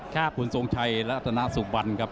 คุณทรงชัยลัตนสุบันครับ